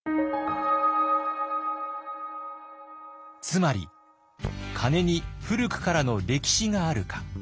つまり鐘に古くからの歴史があるか。